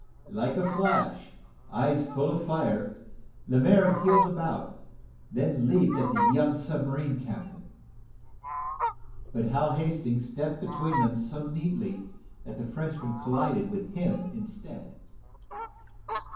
Like a flash, his eyes full of fire, Lemaire heeled about, then leaped at the young submarine captain. But Hal Hastings stepped between them so neatly that the Frenchman collided with him instead.